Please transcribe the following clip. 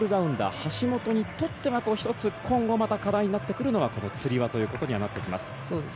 橋本にとっては今後１つ課題になってくるのがこのつり輪ということにはなってきます。